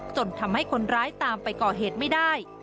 จนทำให้คนร้ายตามไปก่อเหตุไม่ได้